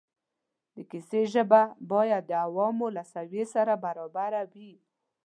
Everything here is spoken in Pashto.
د کیسې ژبه باید د عوامو له سویې سره برابره وي.